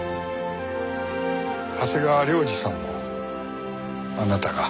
長谷川亮二さんもあなたが？